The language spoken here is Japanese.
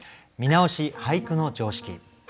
見直し「俳句の常識」。